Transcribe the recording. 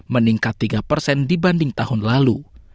meningkat tiga persen dibanding tahun lalu